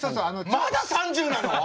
まだ３０なの？